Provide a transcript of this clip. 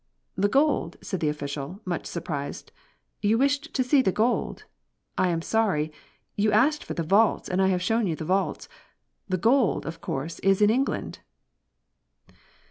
"The gold!" said the official, much surprised. "You wished to see the gold? I am sorry. You asked for the vaults and I have shown you the vaults. The gold, of course, is in England."